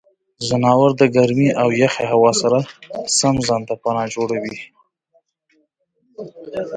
ځناور د ګرمې او یخې هوا سره سم ځان ته پناه جوړوي.